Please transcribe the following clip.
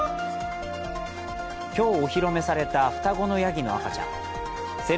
今日、お披露目された双子のやぎの赤ちゃん。